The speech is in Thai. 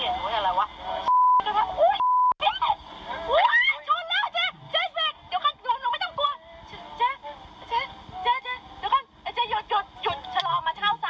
โอ้โฮอย่าเพิ่งนะไอ้เจ